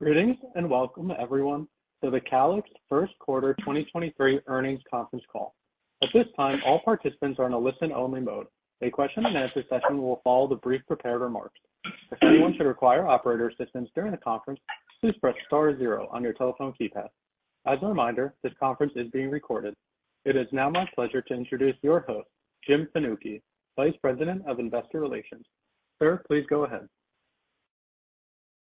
Greetings and welcome everyone to the Calix Q1 2023 earnings conference call. At this time, all participants are on a listen-only mode. A question-and-answer session will follow the brief prepared remarks. If anyone should require operator assistance during the conference, please press star zero on your telephone keypad. As a reminder, this conference is being recorded. It is now my pleasure to introduce your host, Jim Fanucchi, Vice President of Investor Relations. Sir, please go ahead.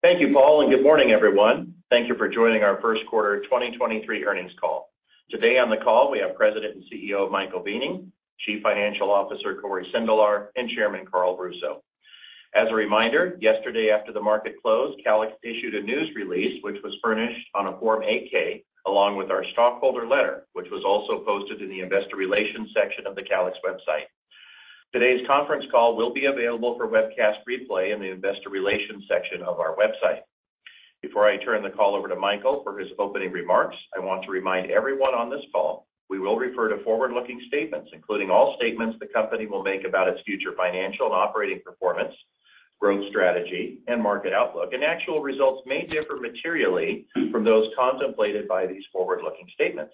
Thank you, Paul. Good morning, everyone. Thank you for joining our Q1 2023 earnings call. Today on the call, we have President and CEO, Michael Weening, Chief Financial Officer, Cory Sindelar, and Chairman, Carl Russo. As a reminder, yesterday after the market closed, Calix issued a news release, which was furnished on a Form 8-K, along with our stockholder letter, which was also posted in the Investor Relations section of the Calix website. Today's conference call will be available for webcast replay in the Investor Relations section of our website. Before I turn the call over to Michael for his opening remarks, I want to remind everyone on this call, we will refer to forward-looking statements, including all statements the company will make about its future financial and operating performance, growth strategy, and market outlook. Actual results may differ materially from those contemplated by these forward-looking statements.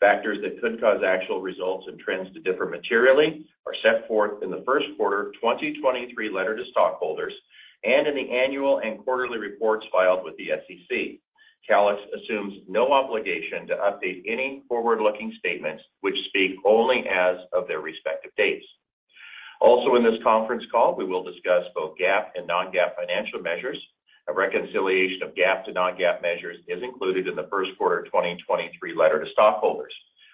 Factors that could cause actual results and trends to differ materially are set forth in the Q1 of 2023 letter to stockholders and in the annual and quarterly reports filed with the SEC. Calix assumes no obligation to update any forward-looking statements which speak only as of their respective dates. In this conference call, we will discuss both GAAP and non-GAAP financial measures. A reconciliation of GAAP to non-GAAP measures is included in the Q1 2023 letter to stockholders.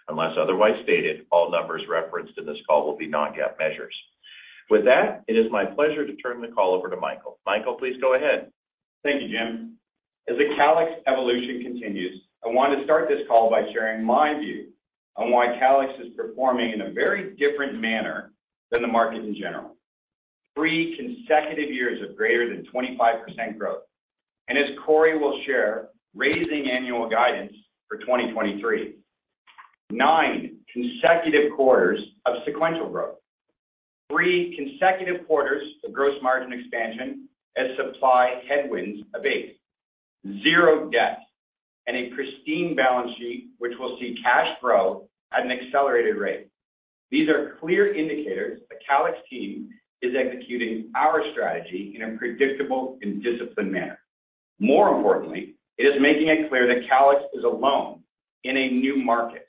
Unless otherwise stated, all numbers referenced in this call will be non-GAAP measures. With that, it is my pleasure to turn the call over to Michael. Michael, please go ahead. Thank you, Jim. As the Calix evolution continues, I want to start this call by sharing my view on why Calix is performing in a very different manner than the market in general. Three consecutive years of greater than 25% growth. As Cory will share, raising annual guidance for 2023. nine consecutive quarters of sequential growth. Three consecutive quarters of gross margin expansion as supply headwinds abate. Zero debt and a pristine balance sheet, which will see cash grow at an accelerated rate. These are clear indicators the Calix team is executing our strategy in a predictable and disciplined manner. More importantly, it is making it clear that Calix is alone in a new market.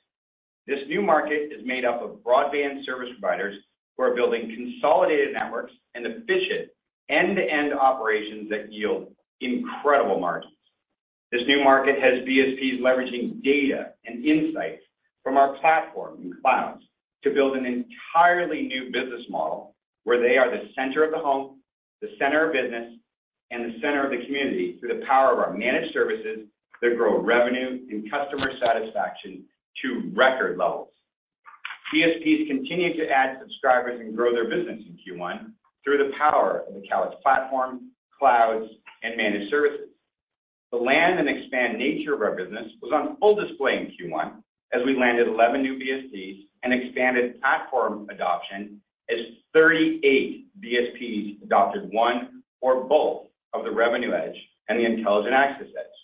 This new market is made up of broadband service providers who are building consolidated networks and efficient end-to-end operations that yield incredible margins. This new market has BSPs leveraging data and insights from our platform and clouds to build an entirely new business model where they are the center of the home, the center of business, and the center of the community through the power of our managed services that grow revenue and customer satisfaction to record levels. BSPs continued to add subscribers and grow their business in Q1 through the power of the Calix platform, clouds, and managed services. The land and expand nature of our business was on full display in Q1 as we landed 11 new BSPs and expanded platform adoption as 38 BSPs adopted one or both of the Revenue EDGE and the Intelligent Access EDGE.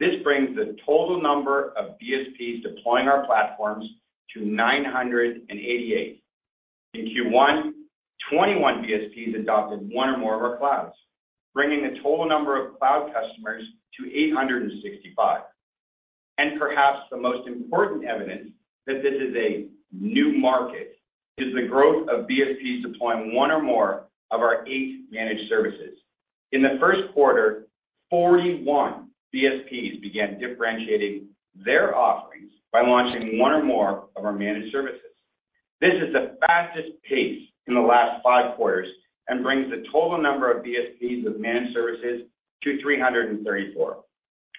This brings the total number of BSPs deploying our platforms to 988. In Q1, 21 BSPs adopted one or more of our clouds, bringing the total number of cloud customers to 865. Perhaps the most important evidence that this is a new market is the growth of BSPs deploying one or more of our eight managed services. In the Q1, 41 BSPs began differentiating their offerings by launching one or more of our managed services. This is the fastest pace in the last five quarters and brings the total number of BSPs with managed services to 334.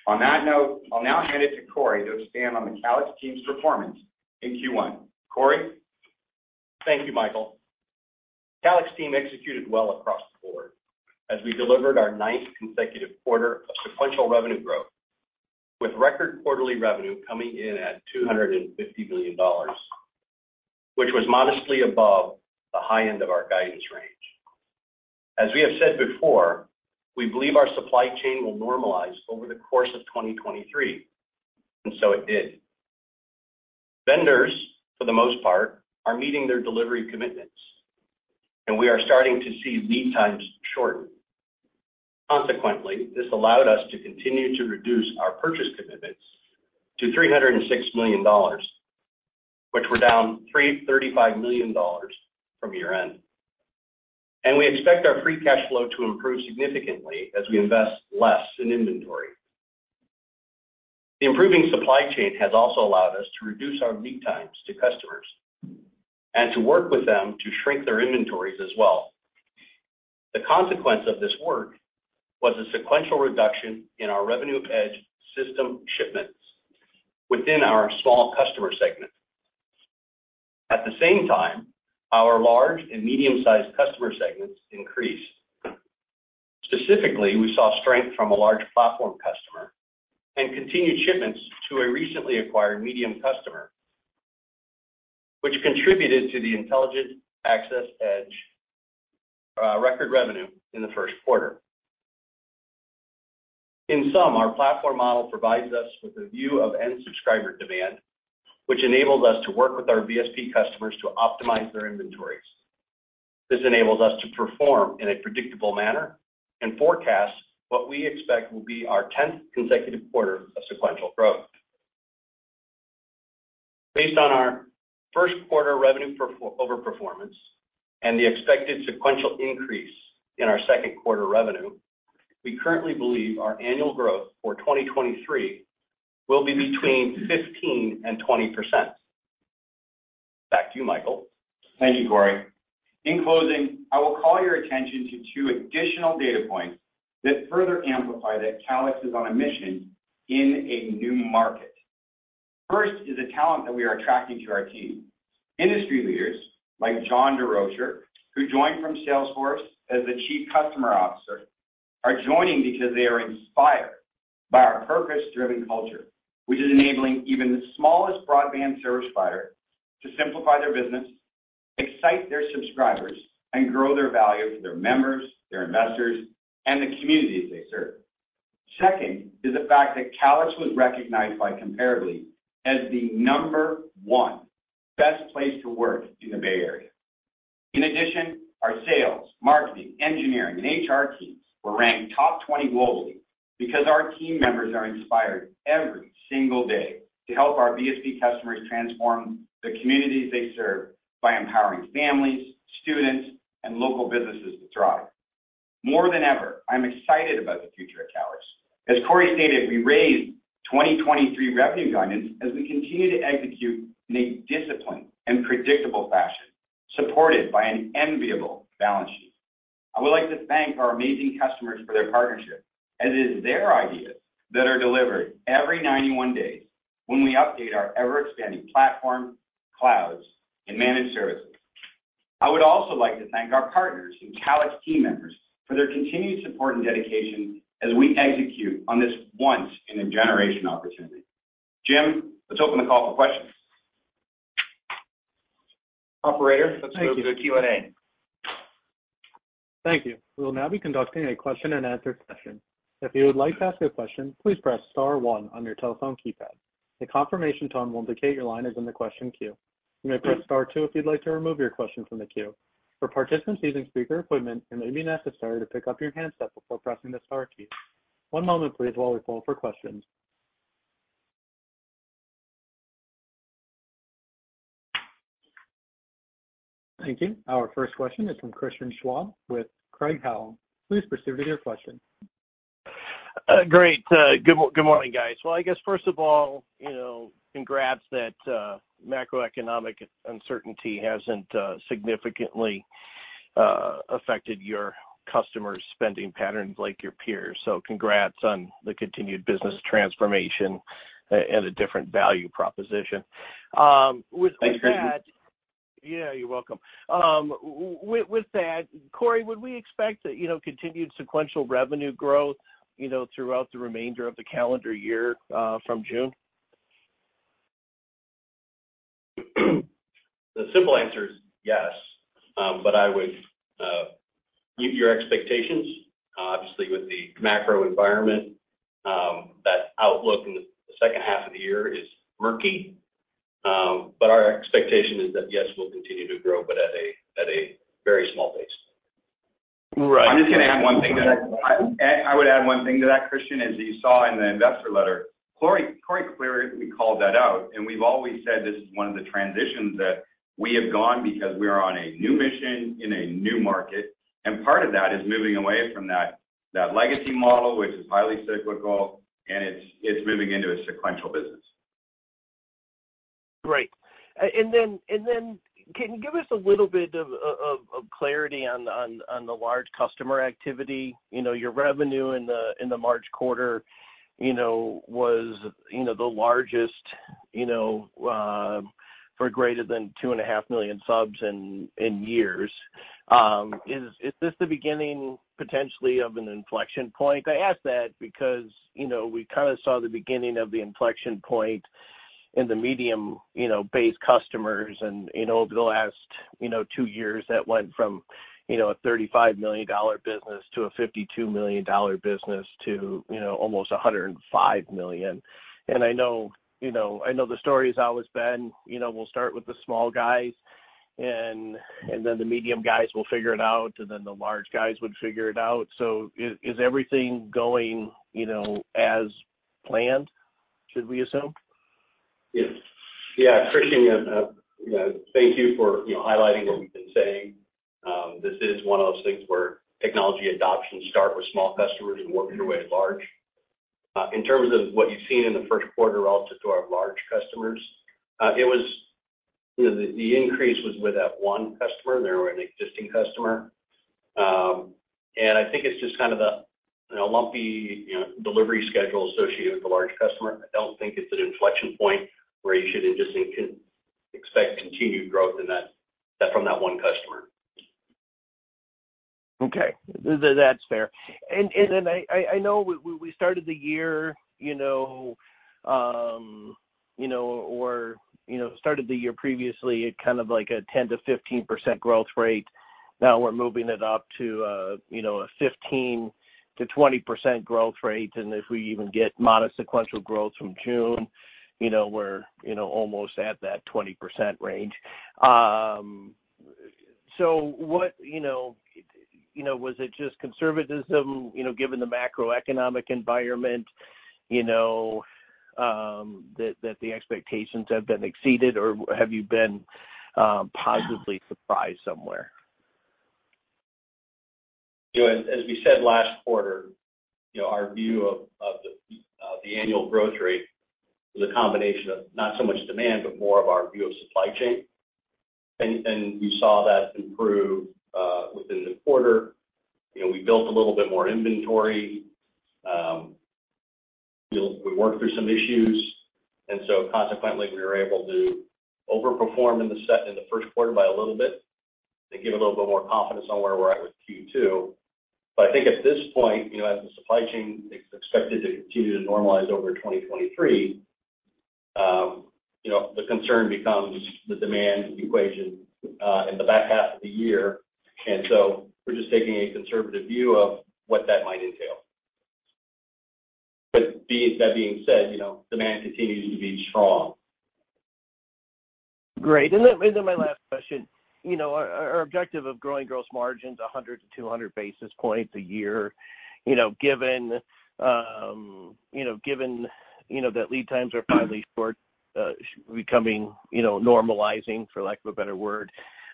On that note, I'll now hand it to Cory to expand on the Calix team's performance in Q1. Cory. Thank you, Michael. Calix team executed well across the board as we delivered our ninth consecutive quarter of sequential revenue growth, with record quarterly revenue coming in at $250 million, which was modestly above the high end of our guidance range. As we have said before, we believe our supply chain will normalize over the course of 2023, and so it did. Vendors, for the most part, are meeting their delivery commitments, and we are starting to see lead times shorten. Consequently, this allowed us to continue to reduce our purchase commitments to $306 million, which were down $335 million from year-end. We expect our free cash flow to improve significantly as we invest less in inventory. The improving supply chain has also allowed us to reduce our lead times to customers and to work with them to shrink their inventories as well. The consequence of this work was a sequential reduction in our Revenue EDGE system shipments within our small customer segment. At the same time, our large and medium-sized customer segments increased. Specifically, we saw strength from a large platform customer and continued shipments to a recently acquired medium customer, which contributed to the Intelligent Access EDGE record revenue in the Q1. In sum, our platform model provides us with a view of end subscriber demand, which enables us to work with our BSP customers to optimize their inventories. This enables us to perform in a predictable manner and forecast what we expect will be our 10th consecutive quarter of sequential growth. Based on our Q1 revenue overperformance and the expected sequential increase in our Q2 revenue, we currently believe our annual growth for 2023 will be between 15% and 20%. Back to you, Michael. Thank you, Corey. In closing, I will call your attention to two additional data points that further amplify that Calix is on a mission in a new market. First is the talent that we are attracting to our team. Industry leaders like John Durocher, who joined from Salesforce as the Chief Customer Officer, are joining because they are inspired by our purpose-driven culture, which is enabling even the smallest broadband service provider to simplify their business, excite their subscribers, and grow their value for their members, their investors, and the communities they serve. Second is the fact that Calix was recognized by Comparably as the number 1 best place to work in the Bay Area. Our sales, marketing, engineering, and HR teams were ranked top 20 globally because our team members are inspired every single day to help our BSP customers transform the communities they serve by empowering families, students, and local businesses to thrive. More than ever, I'm excited about the future of Calix. As Cory Sindelar stated, we raised 2023 revenue guidance as we continue to execute in a disciplined and predictable fashion, supported by an enviable balance sheet. I would like to thank our amazing customers for their partnership, as it is their ideas that are delivered every 91 days when we update our ever-expanding platform, clouds, and managed services. I would also like to thank our partners and Calix team members for their continued support and dedication as we execute on this once in a generation opportunity. Jim, let's open the call for questions. Operator, let's move to the Q&A. Thank you. We will now be conducting a question and answer session. If you would like to ask a question, please press star one on your telephone keypad. A confirmation tone will indicate your line is in the question queue. You may press star two if you'd like to remove your question from the queue. For participants using speaker equipment, it may be necessary to pick up your handset before pressing the star key. One moment please while we poll for questions. Thank you. Our first question is from Christian Schwab with Craig-Hallum. Please proceed with your question. Great. Good morning, guys. Well, I guess first of all, you know, congrats that macroeconomic uncertainty hasn't significantly affected your customers' spending patterns like your peers. Congrats on the continued business transformation and a different value proposition. With that. Thanks, Christian. Yeah, you're welcome. With that, Cory, would we expect, you know, continued sequential revenue growth, you know, throughout the remainder of the calendar year from June? The simple answer is yes. I would mute your expectations, obviously with the macro environment, that outlook in the second half of the year is murky. Our expectation is that yes, we'll continue to grow, but at a very small pace. Right. I'm just gonna add one thing to that. I would add one thing to that, Christian, is you saw in the investor letter, Cory clearly called that out. We've always said this is one of the transitions that we have gone because we are on a new mission in a new market. Part of that is moving away from that legacy model, which is highly cyclical, and it's moving into a sequential business. Great. And then can you give us a little bit of clarity on the large customer activity? You know, your revenue in the March quarter, you know, was, you know, the largest, you know, for greater than 2.5 million subs in years. Is this the beginning potentially of an inflection point? I ask that because, you know, we kind of saw the beginning of the inflection point in the medium, you know, base customers and, you know, over the last, you know, two years that went from, you know, a $35 million business to a $52 million business to, you know, almost a $105 million. I know, you know, I know the story has always been, you know, we'll start with the small guys and then the medium guys will figure it out, and then the large guys would figure it out. Is everything going, you know, as planned, should we assume? Yes. Yeah. Christian, you know, thank you for, you know, highlighting what we've been saying. This is one of those things where technology adoption start with small customers and work your way to large. In terms of what you've seen in the Q1 relative to our large customers, it was, you know, the increase was with that one customer. They were an existing customer. And I think it's just kind of a, you know, lumpy, you know, delivery schedule associated with a large customer. I don't think it's an inflection point where you should just expect continued growth from that one customer. Okay. That's fair. I know we started the year, you know, or, you know, started the year previously at kind of like a 10%-15% growth rate. Now we're moving it up to, you know, a 15%-20% growth rate. If we even get modest sequential growth from June, you know, we're, you know, almost at that 20% range. What, you know, was it just conservatism, you know, given the macroeconomic environment, you know, that the expectations have been exceeded, or have you been positively surprised somewhere? You know, as we said last quarter, you know, our view of the annual growth rate was a combination of not so much demand, but more of our view of supply chain. We saw that improve within the quarter. You know, we built a little bit more inventory. You know, we worked through some issues. Consequently we were able to overperform in the Q1 by a little bit to give a little bit more confidence on where we're at with Q2. I think at this point, you know, as the supply chain is expected to continue to normalize over 2023, you know, the concern becomes the demand equation in the back half of the year. We're just taking a conservative view of what that might entail. That being said, you know, demand continues to be strong. Great. Then my last question. You know, our objective of growing gross margins 100-200 basis points a year, you know, given, you know, given, you know, that lead times are finally short, becoming, you know, normalizing, for lack of a better word,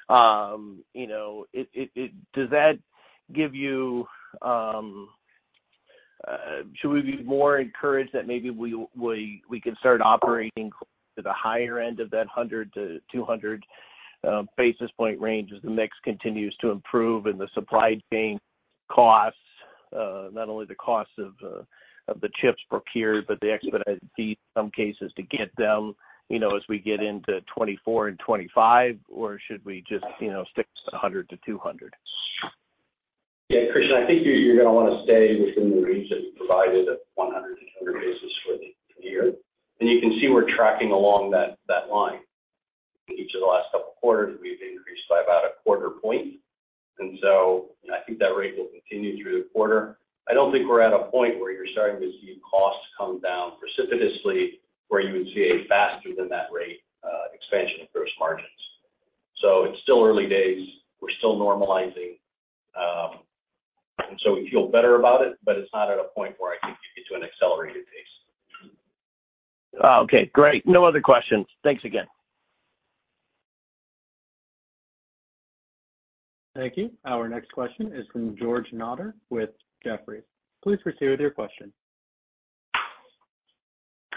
you know. Does that give you? Should we be more encouraged that maybe we can start operating to the higher end of that 100-200 basis point range as the mix continues to improve and the supply chain costs, not only the cost of the chips procured, but the expedite fees in some cases to get them, you know, as we get into 2024 and 2025, or should we just, you know, stick to the 100 to 200? Yeah, Christian, I think you're going to want to stay within the range that we provided of 100-200 basis for the year. You can see we're tracking along that line. Each of the last couple quarters, we've increased by about a quarter point. I think that rate will continue through the quarter. I don't think we're at a point where you're starting to see costs come down precipitously, where you would see a faster than that rate, expansion of gross margins. It's still early days. We're still normalizing. We feel better about it, but it's not at a point where I think you get to an accelerated pace. Okay, great. No other questions. Thanks again. Thank you. Our next question is from George Notter with Jefferies. Please proceed with your question.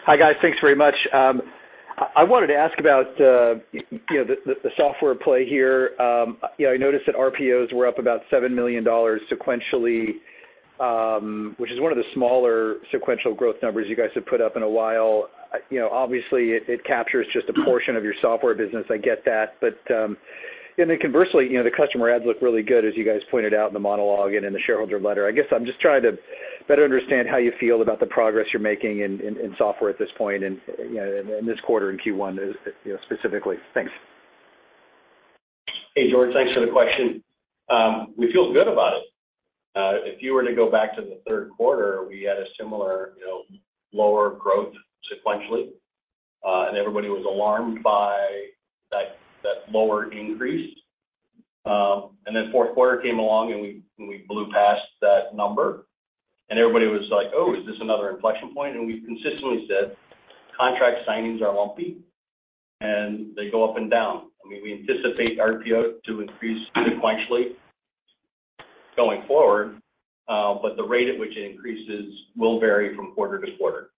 Hi, guys. Thanks very much. I wanted to ask about, you know, the software play here. You know, I noticed that RPOs were up about $7 million sequentially, which is one of the smaller sequential growth numbers you guys have put up in a while. You know, obviously it captures just a portion of your software business. I get that. Conversely, you know, the customer adds look really good, as you guys pointed out in the monologue and in the shareholder letter. I guess I'm just trying to better understand how you feel about the progress you're making in software at this point and, you know, in this quarter, in Q1, you know, specifically. Thanks. Hey, George. Thanks for the question. We feel good about it. If you were to go back to the Q3, we had a similar, you know, lower growth sequentially, and everybody was alarmed by that lower increase. Then fourth quarter came along, and we blew past that number, and everybody was like, "Oh, is this another inflection point?" We've consistently said contract signings are lumpy, and they go up and down. I mean, we anticipate RPO to increase sequentially going forward, but the rate at which it increases will vary from quarter to quarter.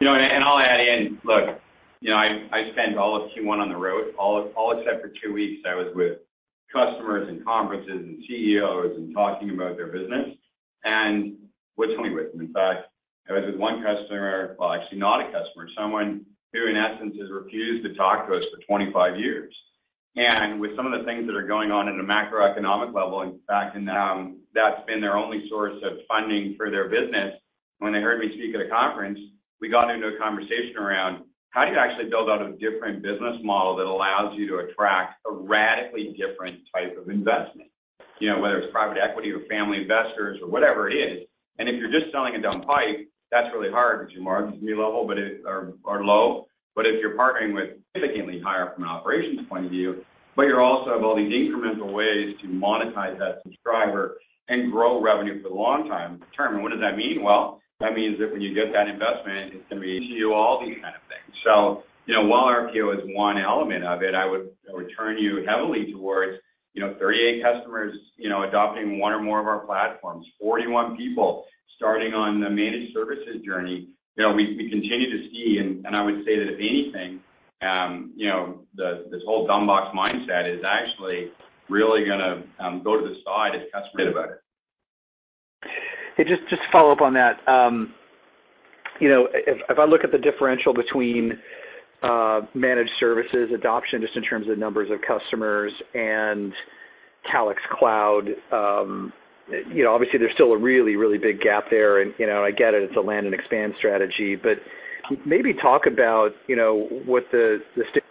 You know, I'll add in. Look, you know, I spent all of Q1 on the road. All except for two weeks, I was with customers and conferences and CEOs and talking about their business and what's coming with them. In fact, I was with one customer, well, actually not a customer, someone who in essence has refused to talk to us for 25 years. With some of the things that are going on in the macroeconomic level, in fact, in, that's been their only source of funding for their business. When they heard me speak at a conference, we got into a conversation around how do you actually build out a different business model that allows you to attract a radically different type of investment? You know whether it's private equity or family investors or whatever it is. If you're just selling a dumb pipe, that's really hard because your margins need level, but are low. If you're partnering with significantly higher from an operations point of view, but you also have all these incremental ways to monetize that subscriber and grow revenue for the long time, term. What does that mean? That means that when you get that investment, it's gonna be to you all these kind of things. You know, while RPO is one element of it, I would turn you heavily towards, you know, 38 customers, you know, adopting one or more of our platforms, 41 people starting on the managed services journey. You know, we continue to see, and I would say that if anything, you know, this whole dumb box mindset is actually really gonna go to the side as customers get about it. Hey, just to follow up on that. You know, if I look at the differential between managed services adoption, just in terms of numbers of customers and Calix Cloud, you know, obviously, there's still a really, really big gap there and, you know, and I get it's a land and expand strategy. Maybe talk about, you know,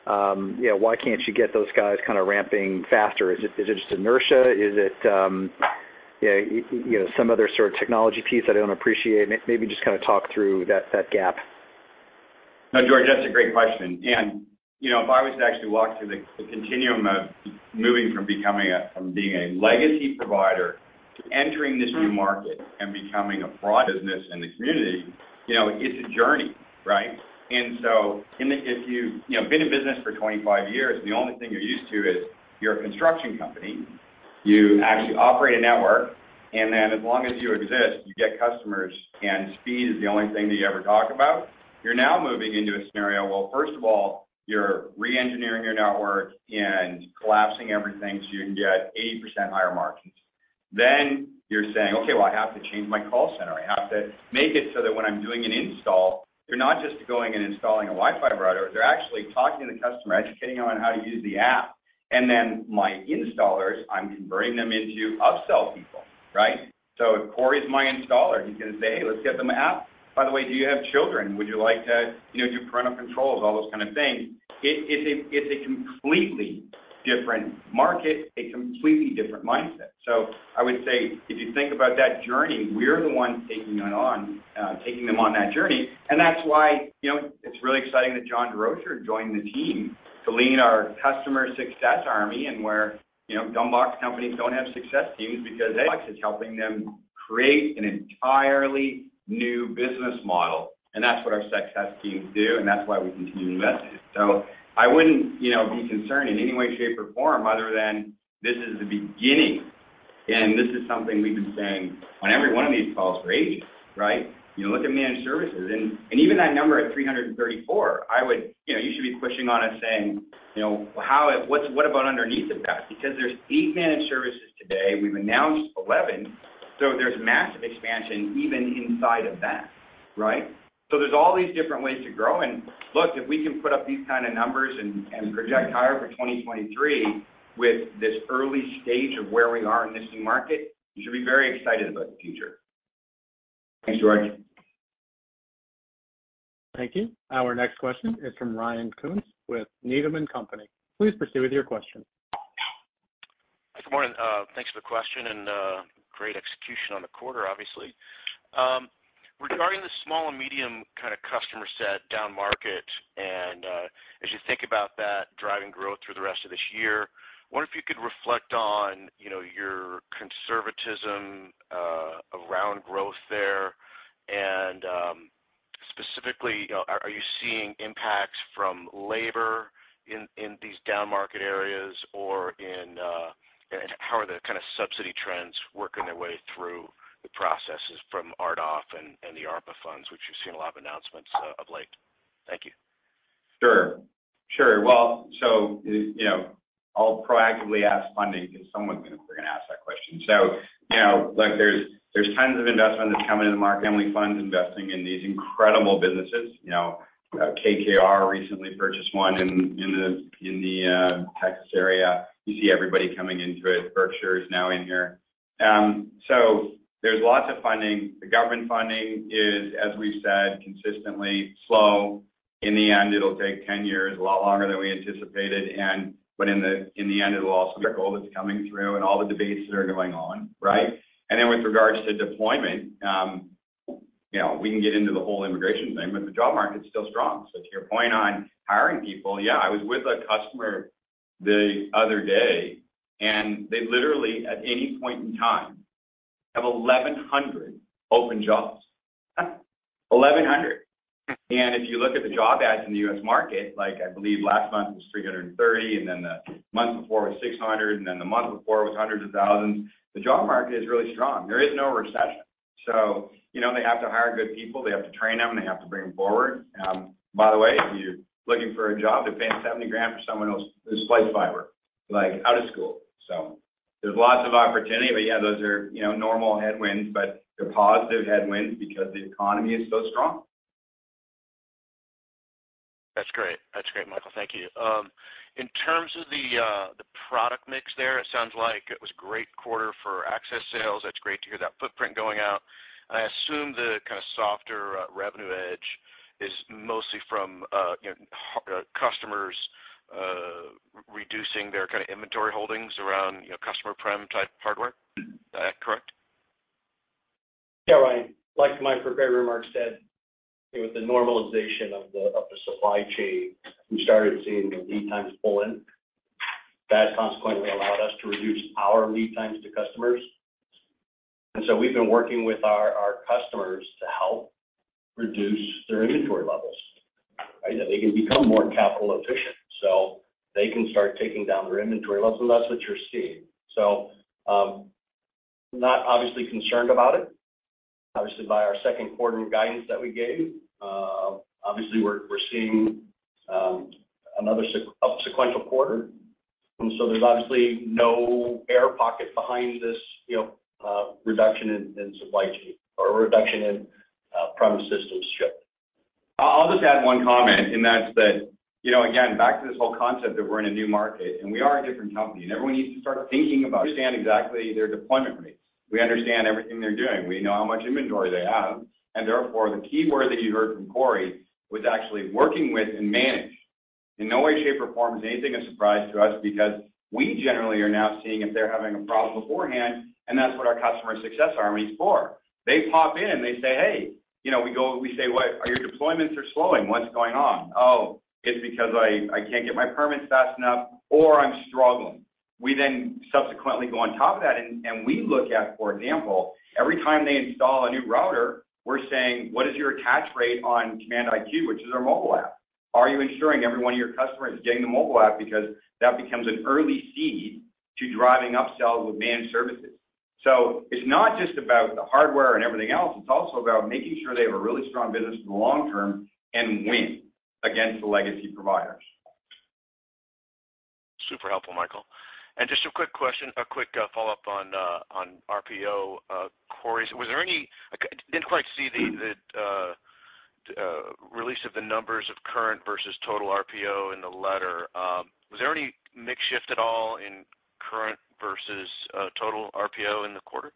why can't you get those guys kinda ramping faster? Is it just inertia? Is it, you know, some other sort of technology piece that I don't appreciate? Maybe just kinda talk through that gap. No, George, that's a great question. You know, if I was to actually walk through the continuum of moving from being a legacy provider to entering this new market and becoming a broad business in the community, you know, it's a journey, right? If you've, you know, been in business for 25 years, the only thing you're used to is you're a construction company. You actually operate a network, as long as you exist, you get customers, speed is the only thing that you ever talk about. You're now moving into a scenario where, first of all, you're re-engineering your network and collapsing everything so you can get 80% higher margins. You're saying, "Okay, well, I have to change my call center. I have to make it so that when I'm doing an install, they're not just going and installing a Wi-Fi router. They're actually talking to the customer, educating them on how to use the app. Then my installers, I'm converting them into upsell people, right? If Cory's my installer, he's gonna say, "Let's get them an app. By the way, do you have children? Would you like to, you know, do parental controls?" All those kind of things. It's a completely different market, a completely different mindset. I would say if you think about that journey, we're the ones taking it on, taking them on that journey. That's why, you know, it's really exciting that John Durocher joined the team to lead our customer success army and where, you know, dumb box companies don't have success teams because it's helping them create an entirely new business model. That's what our success teams do, and that's why we continue to invest in it. I wouldn't, you know, be concerned in any way, shape, or form other than this is the beginning. This is something we've been saying on every one of these calls for ages, right? You look at managed services and even that number at 334, I would... You know, you should be pushing on us saying, you know, "What about underneath of that?" Because there's eight managed services today. We've announced 11. There's massive expansion even inside of that, right? There's all these different ways to grow. Look, if we can put up these kind of numbers and project higher for 2023 with this early stage of where we are in this new market, you should be very excited about the future. Thanks, George. Thank you. Our next question is from Ryan Koontz with Needham & Company. Please proceed with your question. Good morning. Thanks for the question and great execution on the quarter, obviously. Regarding the small and medium kinda customer set down market, and as you think about that driving growth through the rest of this year, wonder if you could reflect on, you know, your conservatism around growth there. Specifically, you know, are you seeing impacts from labor in these downmarket areas or in, you know, how are the kinda subsidy trends working their way through the processes from RDOF and the ARPA funds, which we've seen a lot of announcements of late? Thank you. Sure. Sure. You know, I'll proactively ask funding because someone's gonna frigging ask that question. You know, look, there's tons of investment that's coming into the market, family funds investing in these incredible businesses. You know, KKR recently purchased one in the Texas area. You see everybody coming into it. Berkshire is now in here. There's lots of funding. The government funding is, as we've said, consistently slow. In the end, it'll take 10 years, a lot longer than we anticipated, in the end, it'll also trickle what's coming through and all the debates that are going on, right? With regards to deployment, you know, we can get into the whole immigration thing, the job market's still strong. To your point on hiring people, yeah, I was with a customer the other day, and they literally, at any point in time, have 1,100 open jobs. 1,100. If you look at the job ads in the U.S. market, like I believe last month was 330, and then the month before was 600, and then the month before was hundreds of thousands. The job market is really strong. There is no recession. You know, they have to hire good people, they have to train them, and they have to bring them forward. By the way, if you're looking for a job, they're paying $70,000 for someone who splice fiber, like out of school. There's lots of opportunity. Yeah, those are, you know, normal headwinds, but they're positive headwinds because the economy is so strong. That's great. That's great, Michael. Thank you. In terms of the product mix there, it sounds like it was a great quarter for access sales. That's great to hear that footprint going out. I assume the kinda softer, Revenue EDGE is mostly from, you know, customers, reducing their kinda inventory holdings around, you know, customer prem type hardware. Is that correct? Yeah, Ryan. Like my prepared remarks said, with the normalization of the supply chain, we started seeing the lead times pull in. That consequently allowed us to reduce our lead times to customers. We've been working with our customers to help reduce their inventory levels, right? That they can become more capital efficient, so they can start taking down their inventory levels, and that's what you're seeing. Not obviously concerned about it. Obviously, by our Q2 guidance that we gave, obviously we're seeing another up sequential quarter. There's obviously no air pocket behind this, you know, reduction in supply chain or a reduction in premise systems shipped. I'll just add one comment, and that's that, you know, again, back to this whole concept that we're in a new market, and we are a different company, and everyone needs to start thinking about it. We understand exactly their deployment rates. We understand everything they're doing. We know how much inventory they have, and therefore the key word that you heard from Cory was actually working with and manage. In no way, shape, or form is anything a surprise to us because we generally are now seeing if they're having a problem beforehand, and that's what our customer success army is for. They pop in, and they say, "Hey," you know, we go, we say, "What? Your deployments are slowing. What's going on?" "Oh, it's because I can't get my permits fast enough," or, "I'm struggling." We subsequently go on top of that and we look at, for example, every time they install a new router, we're saying, "What is your attach rate on CommandIQ," which is our mobile app. "Are you ensuring every one of your customers is getting the mobile app?" That becomes an early seed to driving upsells with managed services. It's not just about the hardware and everything else, it's also about making sure they have a really strong business in the long term and win against the legacy providers. Super helpful, Michael. Just a quick question, a quick follow-up on on RPO. Cory, was there any. I didn't quite see the release of the numbers of current versus total RPO in the letter. Was there any mix shift at all in current versus total RPO in the quarter?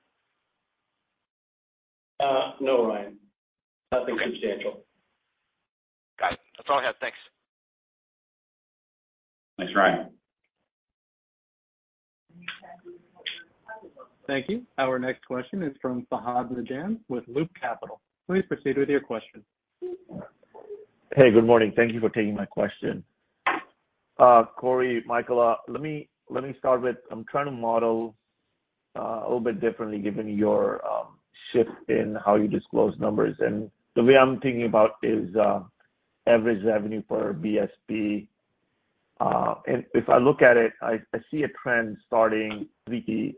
No, Ryan. Okay. Nothing substantial. Got it. That's all I had. Thanks. Thanks, Ryan. Thank you. Our next question is from Fahad Najam with Loop Capital. Please proceed with your question. Hey, good morning. Thank you for taking my question. Cory, Michael, let me start with, I'm trying to model a little bit differently given your shift in how you disclose numbers. The way I'm thinking about is average revenue per BSP. If I look at it, I see a trend starting 3Q,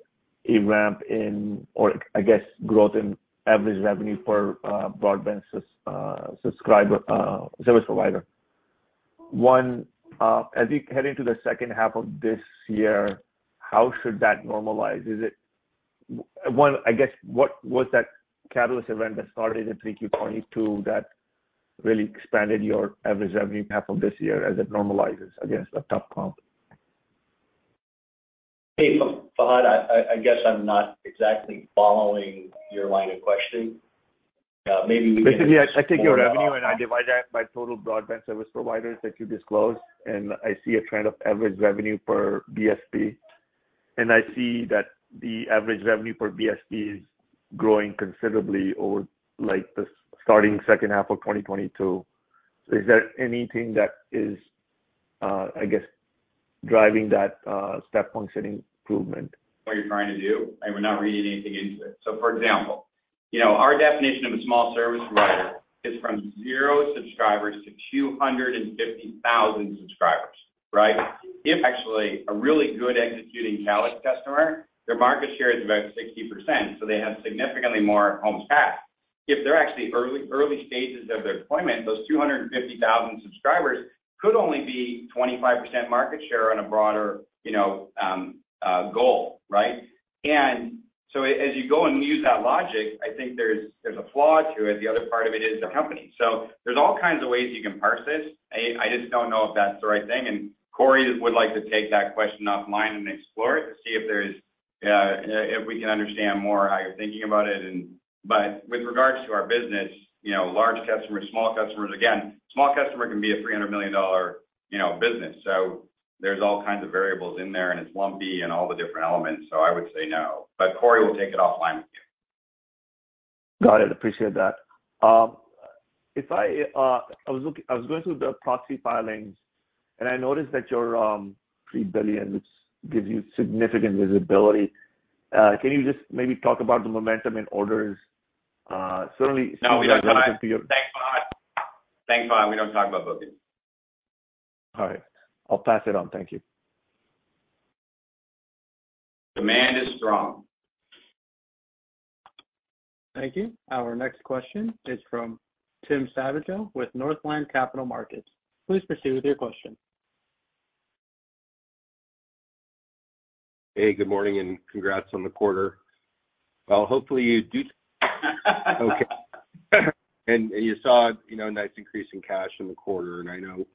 a ramp in or I guess growth in average revenue per broadband subscriber service provider. One, as you head into the second half of this year, how should that normalize? One, I guess, what was that catalyst event that started in 3Q 2022 that really expanded your average revenue half of this year as it normalizes against the top comp? Hey, Fahad, I guess I'm not exactly following your line of questioning. maybe we can explore that. Basically, I take your revenue, and I divide that by total broadband service providers that you disclose, and I see a trend of average revenue per BSP. I see that the average revenue per BSP is growing considerably over like the starting second half of 2022. Is there anything that is, I guess driving that, step function improvement? What you're trying to do, we're not reading anything into it. For example, you know, our definition of a small service provider is from zero subscribers to 250,000 subscribers, right? If actually a really good executing Calix customer, their market share is about 60%, so they have significantly more homes passed. If they're actually early stages of their deployment, those 250,000 subscribers could only be 25% market share on a broader, you know, goal, right? As you go and use that logic, I think there's a flaw to it. The other part of it is the company. There are all kinds of ways you can parse this. I just don't know if that's the right thing. Cory would like to take that question offline and explore it to see if there's, if we can understand more how you're thinking about it. With regards to our business, you know, large customers, small customers, again, small customer can be a $300 million, you know, business. There's all kinds of variables in there, and it's lumpy and all the different elements. I would say no, but Cory will take it offline with you. Got it. Appreciate that. If I was going through the proxy filings, and I noticed that you're $3 billion, which gives you significant visibility. Can you just maybe talk about the momentum in orders? Certainly- No, we don't talk. Thanks, Fahad. We don't talk about bookings. All right. I'll pass it on. Thank you. Demand is strong. Thank you. Our next question is from Tim Savageaux with Northland Capital Markets. Please proceed with your question. Good morning and congrats on the quarter. Hopefully you do. Okay. You saw, you know, a nice increase in cash in the quarter, and I know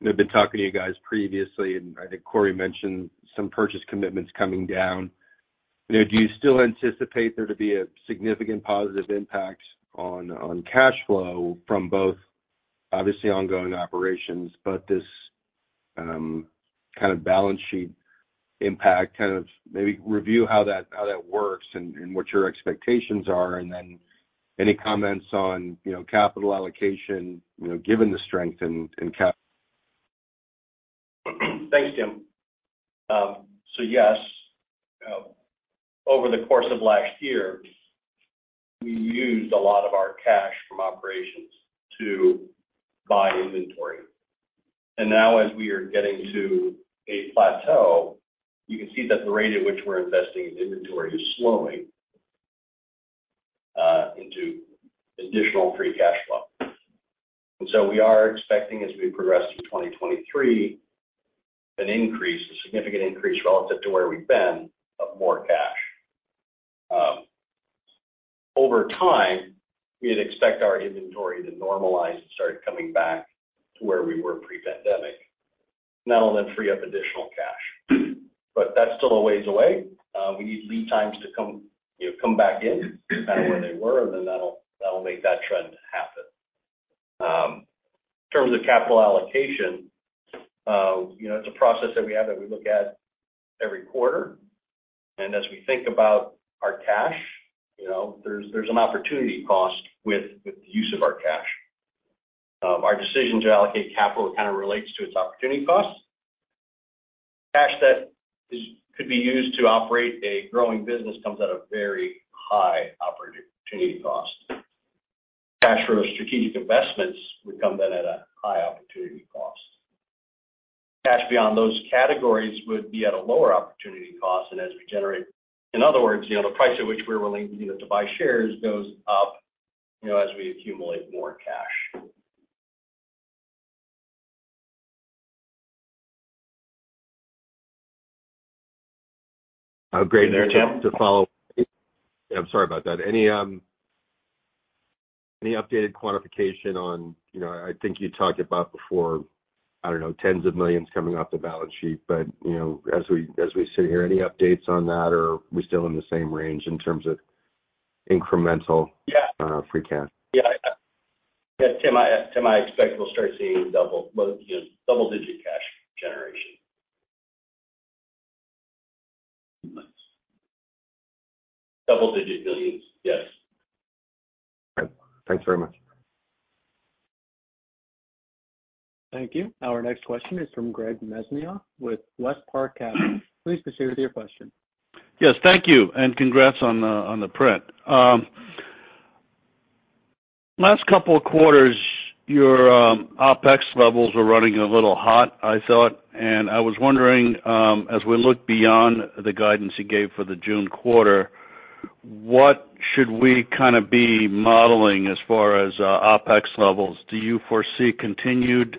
we've been talking to you guys previously, and I think Cory mentioned some purchase commitments coming down. You know, do you still anticipate there to be a significant positive impact on cash flow from both obviously ongoing operations but this kind of balance sheet impact? Kind of maybe review how that, how that works and what your expectations are, and then any comments on, you know, capital allocation, you know, given the strength in CapEx? Thanks, Tim. Yes, over the course of last year, we used a lot of our cash from operations to buy inventory. Now as we are getting to a plateau, you can see that the rate at which we're investing in inventory is slowing into additional free cash flow. We are expecting as we progress through 2023, an increase, a significant increase relative to where we've been of more cash. Over time, we'd expect our inventory to normalize and start coming back to where we were pre-pandemic. That'll then free up additional cash. That's still a ways away. We need lead times to come, you know, come back in, kind of where they were, and then that'll make that trend happen. In terms of capital allocation, you know, it's a process that we have that we look at every quarter. As we think about our cash, you know, there's an opportunity cost with the use of our cash. Our decision to allocate capital kind of relates to its opportunity costs. Cash that is, could be used to operate a growing business comes at a very high opportunity cost. Cash for strategic investments would come then at a high opportunity cost. Cash beyond those categories would be at a lower opportunity cost. In other words, you know, the price at which we're willing, you know, to buy shares goes up, you know, as we accumulate more cash. Great. Just to follow. Yeah, I'm sorry about that. Any updated quantification on, you know, I think you talked about before, I don't know, tens of millions coming off the balance sheet. You know, as we sit here, any updates on that, or are we still in the same range in terms of? Yeah. free cash? Yeah, Tim, I expect we'll start seeing double, well, you know, double-digit cash generation. Months. Double-digit millions, yes. Okay. Thanks very much. Thank you. Our next question is from Greg Mesniaeff with WestPark Capital. Please proceed with your question. Yes, thank you, and congrats on the print. Last couple of quarters, your OpEx levels were running a little hot, I thought. I was wondering, as we look beyond the guidance you gave for the June quarter, what should we kinda be modeling as far as OpEx levels? Do you foresee continued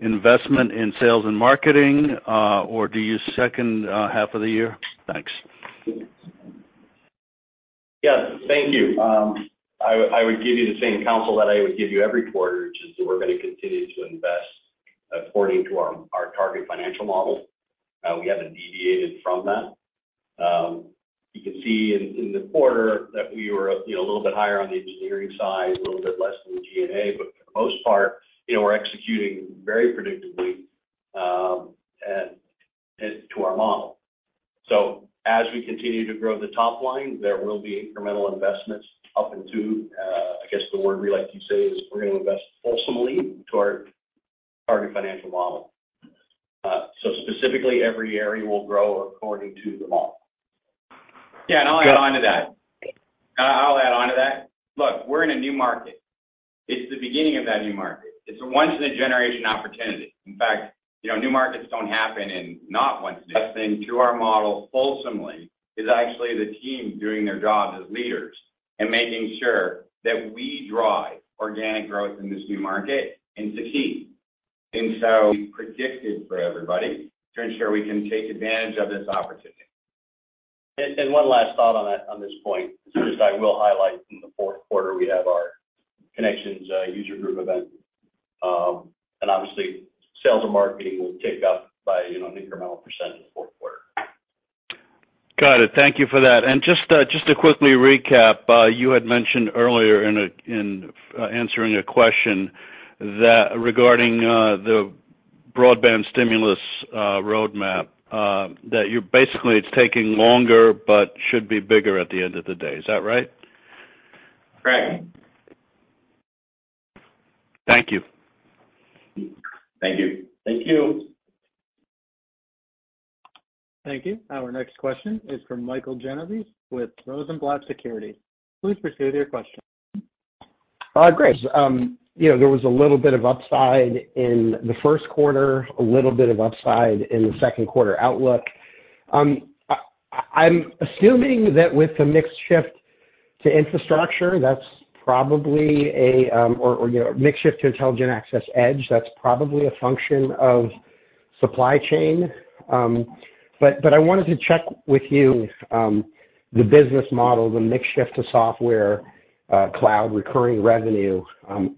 investment in sales and marketing, or do you second half of the year? Thanks. Yes, thank you. I would give you the same counsel that I would give you every quarter, which is that we're gonna continue to invest according to our target financial model. We haven't deviated from that. You can see in the quarter that we were, you know, a little bit higher on the engineering side, a little bit less than the G&A. For the most part, you know, we're executing very predictably, and to our model. As we continue to grow the top line, there will be incremental investments up into, I guess the word we like to say is we're gonna invest fulsomely to our target financial model. Specifically, every area will grow according to the model. Yeah, I'll add onto that. Look, we're in a new market. It's the beginning of that new market. It's a once in a generation opportunity. In fact, you know, new markets don't happen in not once a generation. Investing to our model fulsomely is actually the team doing their job as leaders and making sure that we drive organic growth in this new market and succeed. We predicted for everybody to ensure we can take advantage of this opportunity. One last thought on that, on this point. First, I will highlight in the fourth quarter, we have our ConneXions user group event. Obviously, sales and marketing will tick up by, you know, an incremental % in the fourth quarter. Got it. Thank you for that. Just to quickly recap, you had mentioned earlier in a, in answering a question that regarding the broadband stimulus roadmap, that you're basically it's taking longer but should be bigger at the end of the day. Is that right? Correct. Thank you. Thank you. Thank you. Thank you. Our next question is from Mike Genovese with Rosenblatt Securities. Please proceed with your question. Great. You know, there was a little bit of upside in the Q1, a little bit of upside in the Q2 outlook. I, I'm assuming that with the mix shift to infrastructure, that's probably a, or, you know, mix shift to Intelligent Access EDGE, that's probably a function of supply chain. I wanted to check with you, the business model, the mix shift to software, cloud recurring revenue,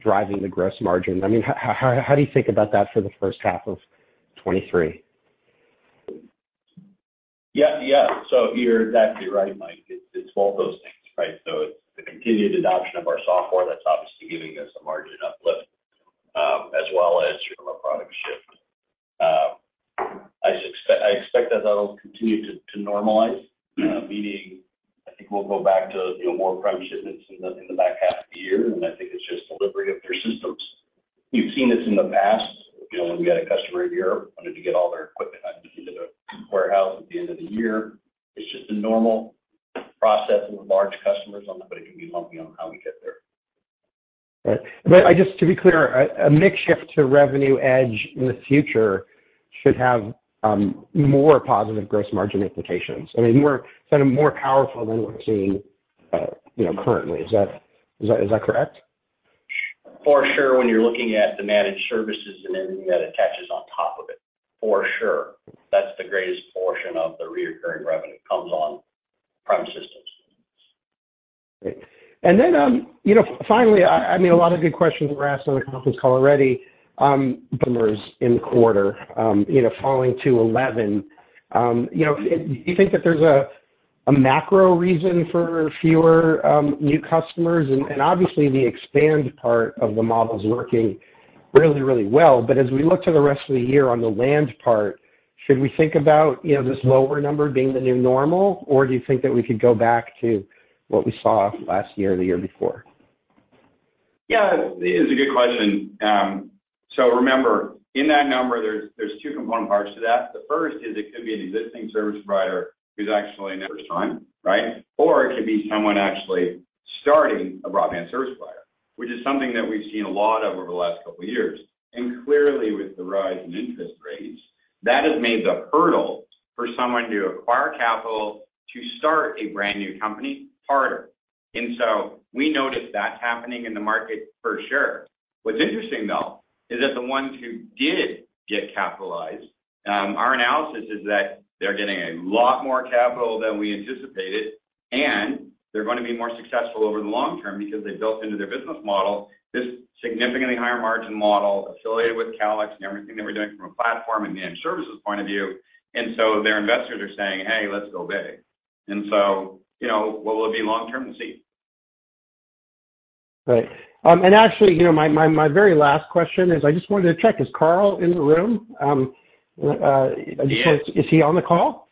driving the gross margin. I mean, how do you think about that for the 1st half of 2023? You're exactly right, Mike Genovese. It's both those things, right? It's the continued adoption of our software that's obviously giving us a margin uplift, as well as from a product shift. I expect that that'll continue to normalize, meaning I think we'll go back to, you know, more prime shipments in the, in the back half of the year. I think it's just delivery of their systems. You've seen this in the past. You know, when we had a customer a year wanted to get all their equipment out into the warehouse at the end of the year. It's just a normal process with large customers, but it can be lumpy on how we get that. I just to be clear, a mix shift to Revenue EDGE in the future should have more positive gross margin implications. I mean, more kind of more powerful than we're seeing, you know, currently. Is that correct? For sure, when you're looking at the managed services and anything that attaches on top of it. For sure. That's the greatest portion of the recurring revenue comes on-prem systems. Great. You know, finally, I mean, a lot of good questions were asked on the conference call already, numbers in the quarter, you know, falling to 11. You know, do you think that there's a macro reason for fewer, new customers? Obviously the expand part of the model is working really, really well. As we look to the rest of the year on the land part, should we think about, you know, this lower number being the new normal? Do you think that we could go back to what we saw last year or the year before? Yeah, it is a good question. Remember, in that number, there's two component parts to that. The first is it could be an existing service provider who's actually never signed, right? It could be someone actually starting a broadband service provider, which is something that we've seen a lot of over the last couple of years. Clearly, with the rise in interest rates, that has made the hurdle for someone to acquire capital to start a brand new company harder. We noticed that's happening in the market for sure. What's interesting, though, is that the ones who did get capitalized, our analysis is that they're getting a lot more capital than we anticipated, and they're going to be more successful over the long term because they built into their business model this significantly higher margin model affiliated with Calix and everything that we're doing from a platform and managed services point of view. Their investors are saying, "Hey, let's go big." You know, what will it be long term? We'll see. Right. actually, you know, my very last question is, I just wanted to check, is Carl in the room? Is he on the call?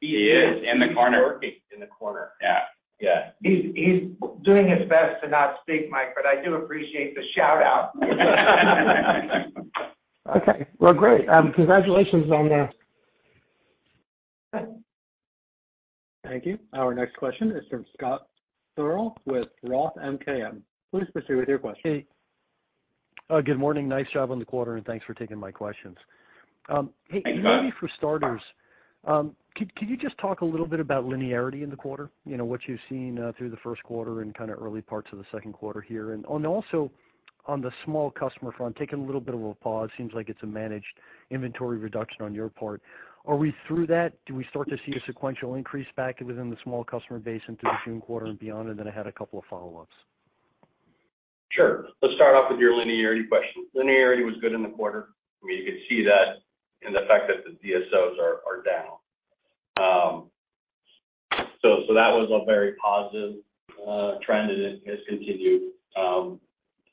He is. In the corner. Working in the corner. Yeah. Yeah. He's doing his best to not speak, Mike, but I do appreciate the shout out. Okay. Well, great. congratulations on the... Thank you. Our next question is from Scott Searle with Roth MKM. Please proceed with your question. Hey. Good morning. Nice job on the quarter. Thanks for taking my questions. Thanks, Scott. Maybe for starters, could you just talk a little bit about linearity in the quarter? You know, what you've seen, through the Q1 and kind of early parts of the Q2 here. Also on the small customer front, taking a little bit of a pause, seems like it's a managed inventory reduction on your part. Are we through that? Do we start to see a sequential increase back within the small customer base into the June quarter and beyond? I had a couple of follow-ups. Sure. Let's start off with your linearity question. Linearity was good in the quarter. I mean, you can see that in the fact that the DSO are down. So that was a very positive trend, and it has continued.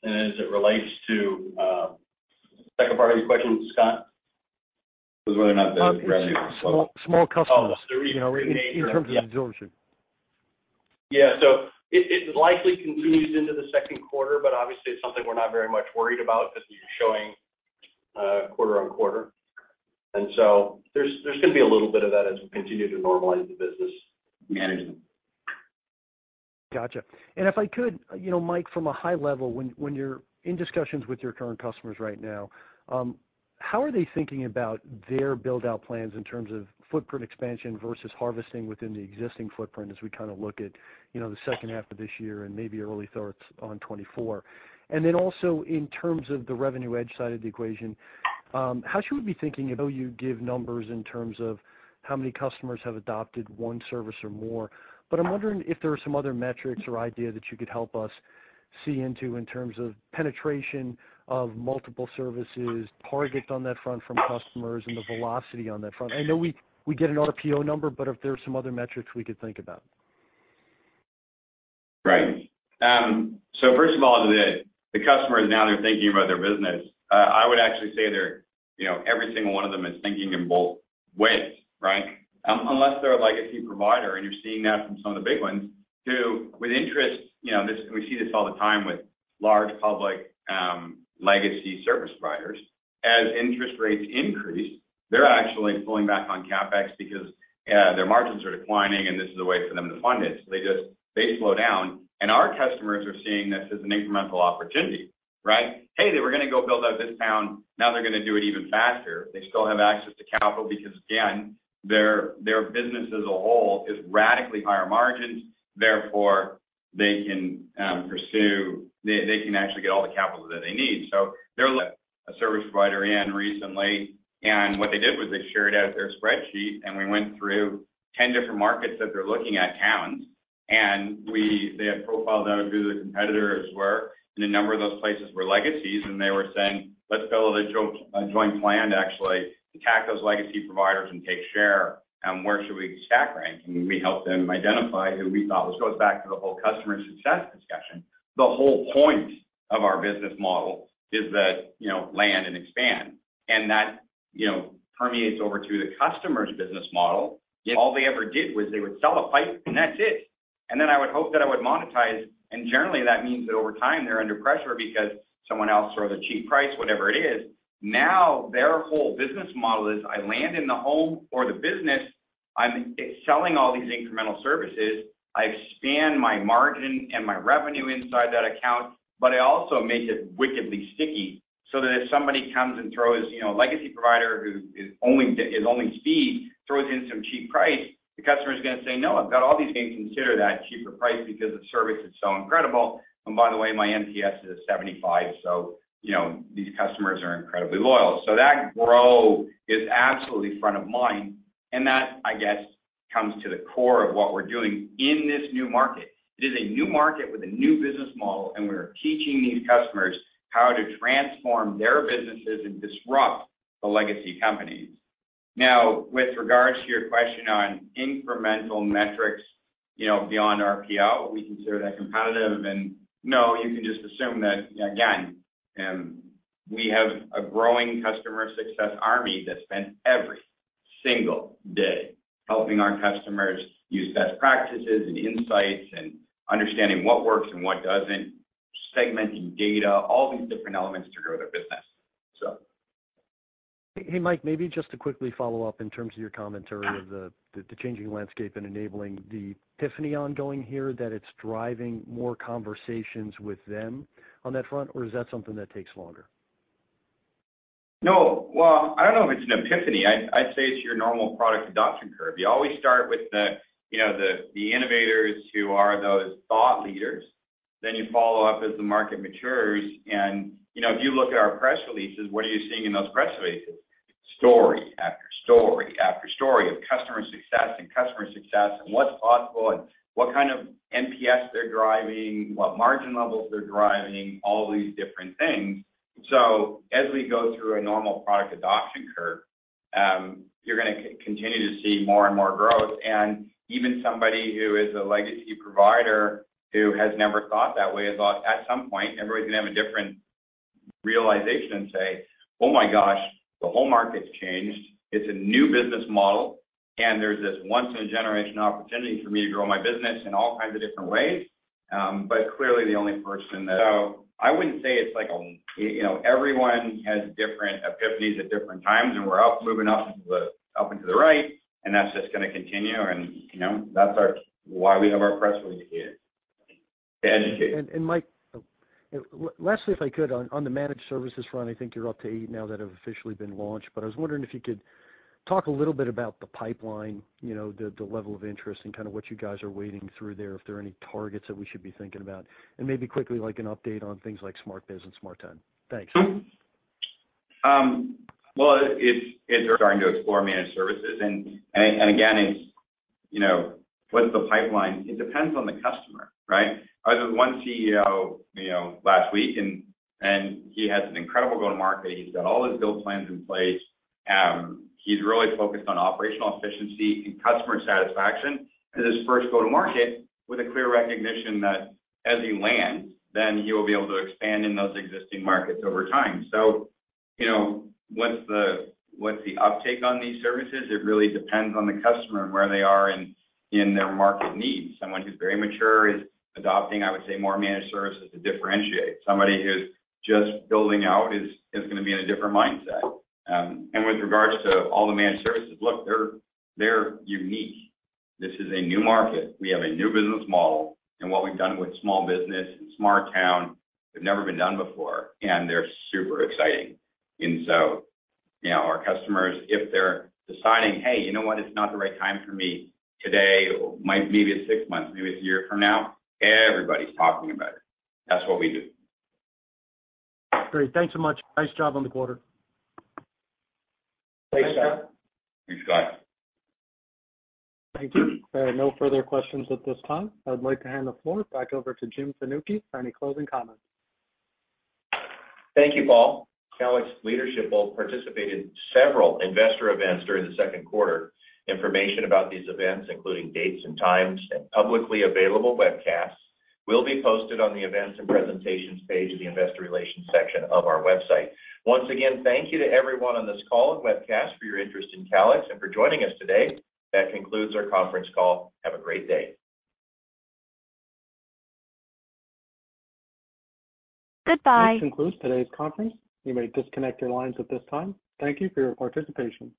As it relates to the second part of your question, Scott, it was really not the revenue. Small, small customers. Oh. You know, in terms of absorption. Yeah. It, it likely continues into the Q2, but obviously it's something we're not very much worried about because you're showing quarter-on-quarter. There's gonna be a little bit of that as we continue to normalize the business management. Gotcha. If I could, you know, Mike, from a high level, when you're in discussions with your current customers right now, how are they thinking about their build out plans in terms of footprint expansion versus harvesting within the existing footprint as we kind of look at, you know, the second half of this year and maybe early thoughts on 2024? Then also in terms of the Revenue EDGE side of the equation, how should we be thinking about you give numbers in terms of how many customers have adopted 1 service or more? But I'm wondering if there are some other metrics or idea that you could help us see into in terms of penetration of multiple services, target on that front from customers and the velocity on that front. I know we get an RPO number, but if there are some other metrics we could think about. Right. First of all, the customers now they're thinking about their business. I would actually say they're, you know, every single one of them is thinking in both ways, right? Unless they're a legacy provider, and you're seeing that from some of the big ones, who with interest, you know, we see this all the time with large public legacy service providers. As interest rates increase, they're actually pulling back on CapEx because their margins are declining, and this is a way for them to fund it. They slow down, and our customers are seeing this as an incremental opportunity, right? Hey, they were gonna go build out this town, now they're gonna do it even faster. They still have access to capital because, again, their business as a whole is radically higher margins, therefore, they can actually get all the capital that they need. They're a service provider in recently, and what they did was they shared out their spreadsheet, and we went through 10 different markets that they're looking at towns. They had profiled out who the competitors were, and a number of those places were legacies, and they were saying, "Let's build a joint plan to actually attack those legacy providers and take share, and where should we stack rank?" We helped them identify who we thought. Which goes back to the whole customer success discussion. The whole point of our business model is that, you know, land and expand. That, you know, permeates over to the customer's business model. If all they ever did was they would sell the pipe, and that's it. I would hope that I would monetize. Generally, that means that over time, they're under pressure because someone else throws a cheap price, whatever it is. Now, their whole business model is I land in the home or the business, I'm selling all these incremental services. I expand my margin and my revenue inside that account, but I also make it wickedly sticky so that if somebody comes and throws, you know, a legacy provider who is only speed throws in some cheap price, the customer is gonna say, "No, I've got all these things. Consider that cheaper price because the service is so incredible. By the way, my NPS is 75." You know, these customers are incredibly loyal. That grow is absolutely front of mind, and that, I guess, comes to the core of what we're doing in this new market. It is a new market with a new business model, and we're teaching these customers how to transform their businesses and disrupt the legacy companies. With regards to your question on incremental metrics, you know, beyond RPO, we consider that competitive. No, you can just assume that again, we have a growing customer success army that spends every single day helping our customers use best practices and insights and understanding what works and what doesn't, segmenting data, all these different elements to grow their business. So. Hey, Mike, maybe just to quickly follow up in terms of your commentary of the changing landscape and enabling the epiphany ongoing here, that it's driving more conversations with them on that front or is that something that takes longer? No. Well, I'd say it's your normal product adoption curve. You always start with the, you know, innovators who are those thought leaders. You follow up as the market matures. You know, if you look at our press releases, what are you seeing in those press releases? Story after story after story of customer success and what's possible and what kind of NPS they're driving, what margin levels they're driving, all these different things. As we go through a normal product adoption curve, you're gonna continue to see more and more growth. Even somebody who is a legacy provider who has never thought that way has thought at some point, everybody's gonna have a different realization and say, "Oh my gosh, the whole market's changed. It's a new business model, there's this once in a generation opportunity for me to grow my business in all kinds of different ways. Clearly the only person that. I wouldn't say it's like a, you know, everyone has different epiphanies at different times, we're moving up into the right, that's just gonna continue. You know, that's our why we have our press releases, to educate. Mike, lastly, if I could, on the managed services front, I think you're up to eight now that have officially been launched, but I was wondering if you could talk a little bit about the pipeline, you know, the level of interest and kind of what you guys are wading through there, if there are any targets that we should be thinking about. Maybe quickly, like an update on things like SmartBiz and SmartTown. Thanks. Well, it's starting to explore managed services and again, it's, you know, what's the pipeline? It depends on the customer, right? I was with one CEO, you know, last week and he has an incredible go-to-market. He's got all his go plans in place. He's really focused on operational efficiency and customer satisfaction as his first go-to-market with a clear recognition that as he lands, then he will be able to expand in those existing markets over time. You know, what's the uptake on these services? It really depends on the customer and where they are in their market needs. Someone who's very mature is adopting, I would say, more managed services to differentiate. Somebody who's just building out is gonna be in a different mindset. With regards to all the managed services, look, they're unique. This is a new market. We have a new business model. What we've done with SmartBiz and SmartTown, they've never been done before, and they're super exciting. You know, our customers, if they're deciding, "Hey, you know what? It's not the right time for me today. Maybe it's 6 months, maybe it's one year from now," everybody's talking about it. That's what we do. Great. Thanks so much. Nice job on the quarter. Thanks. Thanks, guys. Thank you. There are no further questions at this time. I would like to hand the floor back over to Jim Fanucchi for any closing comments. Thank you, Paul. Calix leadership will participate in several investor events during the Q2. Information about these events, including dates and times and publicly available webcasts, will be posted on the Events and Presentations page of the Investor Relations section of our website. Once again, thank you to everyone on this call and webcast for your interest in Calix and for joining us today. That concludes our conference call. Have a great day. Goodbye. This concludes today's conference. You may disconnect your lines at this time. Thank you for your participation.